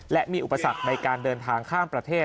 และมีอุปสรรคในการเดินทางข้ามประเทศ